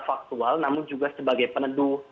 faktual namun juga sebagai peneduh